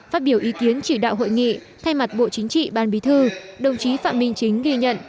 phát biểu ý kiến chỉ đạo hội nghị thay mặt bộ chính trị ban bí thư đồng chí phạm minh chính ghi nhận